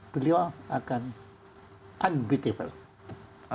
beliau akan unbeatable